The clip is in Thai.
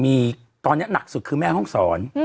มีตอนนี้หนักสุดคือแม่ห้องศร